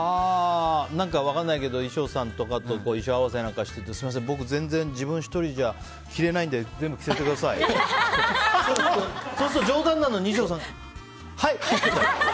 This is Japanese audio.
何か分かんないけど衣装さんとかと衣装合わせとかしててすみません、僕１人じゃ全然着れないので全部着せてくださいって冗談なのに衣装さんが、はい！とか。